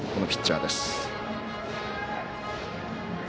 ピッチャーです。